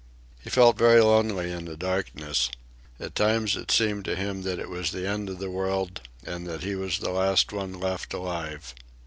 He felt very lonely in the darkness. At times it seemed to him that it was the end of the world and that he was the last one left alive.